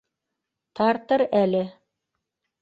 - Тартыр әле.